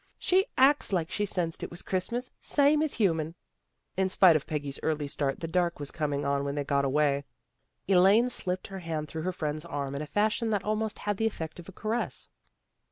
She acts like she sensed it was Christmas, same as a human." In spite of Peggy's early start, the dark was coming on when they got away. Elaine slipped her hand through her friend's arm in a fashion that almost had the effect of a caress.